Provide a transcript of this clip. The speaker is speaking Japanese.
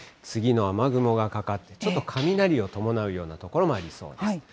次の雨雲がかかって、ちょっと雷を伴うような所もありそうです。